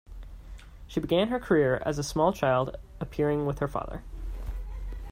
She began her career as a small child appearing with her father.